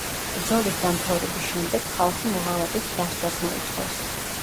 ბრძოლის დამთავრების შემდეგ, ხალხი მოღალატის დასჯას მოითხოვს.